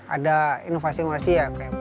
ada inovasi inovasi ya